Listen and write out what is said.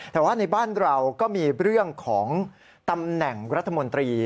แต่ว่าในบ้านเราก็มีเรื่องของตำแหน่งรัฐมนตรี